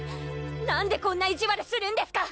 なんでこんな意地悪するんですか！